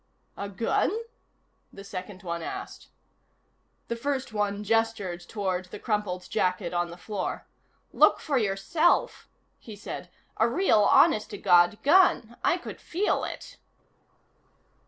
"A gun?" the second one asked. The first one gestured toward the crumpled jacket on the floor. "Look for yourself," he said. "A real honest to God gun. I could feel it."